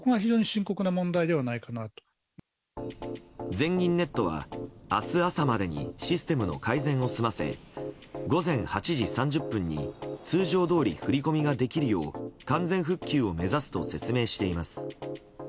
全銀ネットは明日朝までにシステムの改善を済ませ午前８時３０分に通常どおり振り込みができるよう完全復旧を目指すと説明しています。